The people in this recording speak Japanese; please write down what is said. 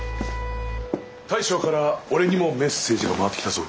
大将から俺にもメッセージが回ってきたぞ。